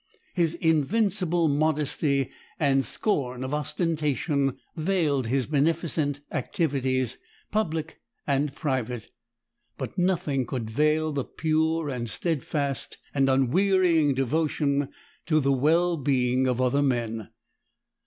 His invincible modesty and scorn of ostentation veiled his beneficent activities, public and private. But nothing could veil the pure and steadfast and unwearying devotion to the well being of other men.